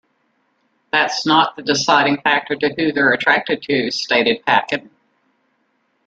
That's not the deciding factor to who they're attracted to, stated Paquin.